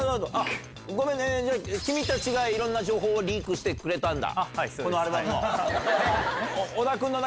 ごめんね、じゃあ、君たちがいろんな情報をリークしてくれたんだ？